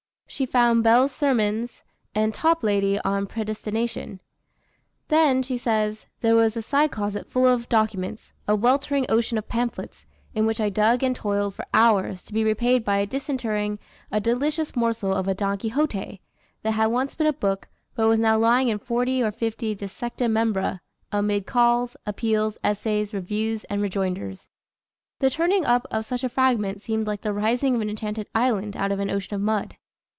She found Bell's Sermons, and Toplady on Predestination. "Then," she says, "there was a side closet full of documents, a weltering ocean of pamphlets, in which I dug and toiled for hours, to be repaid by disinterring a delicious morsel of a Don Quixote, that had once been a book, but was now lying in forty or fifty dissecta membra, amid Calls, Appeals, Essays, Reviews, and Rejoinders. The turning up of such a fragment seemed like the rising of an enchanted island out of an ocean of mud."